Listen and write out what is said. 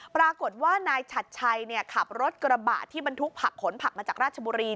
ปรากฏว่านายฉัดชัยขับรถกระบะที่บรรทุกผักขนผักมาจากราชบุรี